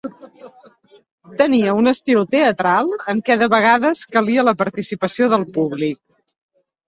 Tenia un estil teatral en què de vegades calia la participació del públic.